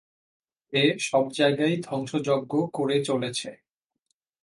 সে সবজায়গায় ধ্বংসযজ্ঞ করে চলেছে।